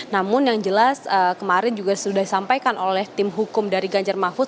namun yang jelas kemarin juga sudah disampaikan oleh tim hukum dari ganjar mahfud